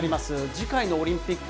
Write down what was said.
次回のオリンピック。